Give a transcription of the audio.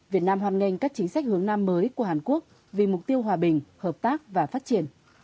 việt nam hoan nghênh các chính sách hướng nam mới của hàn quốc vì mục tiêu hòa bình hợp tác và phát triển